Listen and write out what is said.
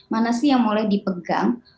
mana sih yang mulai dipegang